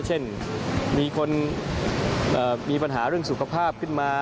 เช่นมีคนมีปัญหาเรื่องสุขภาพขึ้นมา